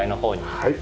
はい。